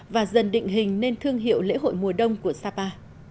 và dần định hình nên thương hiệu lễ hội mùa đông của sapa